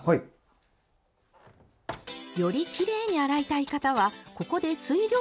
よりきれいに洗いたい方はここで水量をチェック。